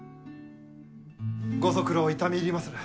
ご足労痛み入りまする。